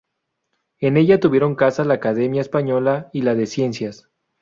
En ella tuvieron casa la Academia Española y la de Ciencias.